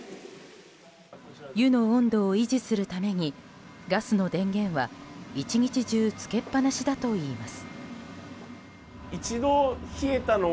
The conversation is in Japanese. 湯の温度を維持するためにガスの電源は一日中つけっぱなしだといいます。